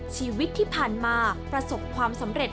ชีวิตที่ผ่านมาประสบความสำเร็จ